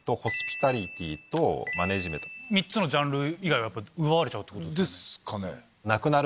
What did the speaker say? ３つのジャンル以外は奪われちゃうってことですよね？